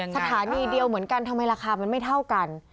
สถานีเดียวเหมือนกันทำไมราคามันไม่เท่ากัน